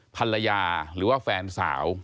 ภรรยาหรือว่าแฟนสาว